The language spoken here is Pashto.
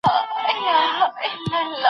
دوی پرون د نساجۍ فابریکه لیدلي وه.